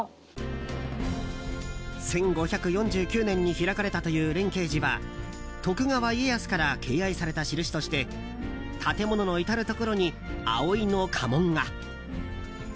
１５４９年に開かれたという蓮馨寺は徳川家康から敬愛された印として建物の至るところに葵の家紋が。